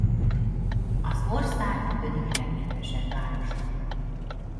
Az ország ötödik legnépesebb városa.